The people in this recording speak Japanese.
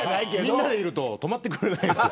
みんなでいると止まってくれないんです。